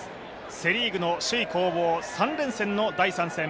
セ・リーグの首位攻防の３連戦の第２戦。